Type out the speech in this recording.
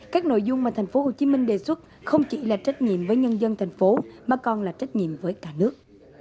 các nội dung mà tp hcm đề xuất không chỉ là trách nhiệm với nhân dân thành phố mà còn là trách nhiệm với cả nước